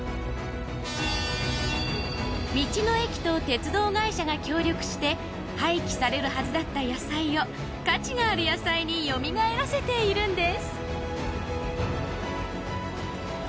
道の駅と鉄道会社が協力して廃棄されるはずだった野菜を価値がある野菜によみがえらせているんです！